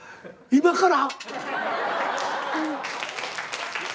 今から。